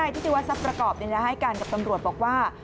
ที่จิวัตรซับประกอบให้กันกับตำรวจบอกว่า